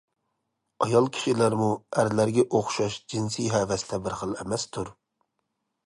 ئايال كىشىلەرمۇ ئەرلەرگە ئوخشاش جىنسىي ھەۋەستە بىر خىل ئەمەستۇر.